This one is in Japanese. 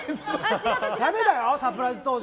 ダメだよ、サプライズ登場。